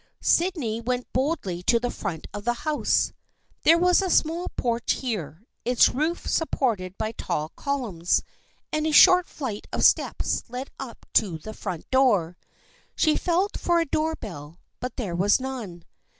Sydney went boldly to the front of the house. There was a small porch here, its roof supported by tall columns, and a short flight of steps led up to the front door. She felt for a door bell but there was none.